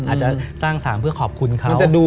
อาจจะสร้างสารเพื่อขอบคุณเขา